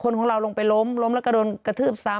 คนของเราลงไปล้มล้มแล้วก็โดนกระทืบซ้ำ